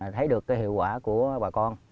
thấy được cái hiệu quả của bà con